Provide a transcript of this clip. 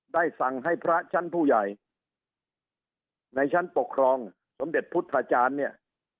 สั่งให้พระชั้นผู้ใหญ่ในชั้นปกครองสมเด็จพุทธจารย์เนี่ย